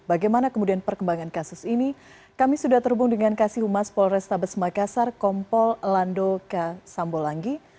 bagaimana kemudian perkembangan kasus ini kami sudah terhubung dengan kasih humas polres tabes makassar kompol lando k sambolangi